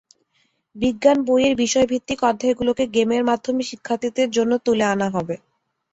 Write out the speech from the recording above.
বিজ্ঞান বইয়ের বিষয়ভিত্তিক অধ্যায়গুলোকে গেমের মাধ্যমে শিক্ষার্থীদের জন্য তুলে আনা হবে।